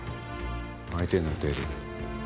相手になってやるよ。